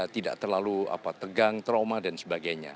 tidak terlalu tegang trauma dan sebagainya